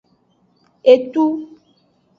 Etu.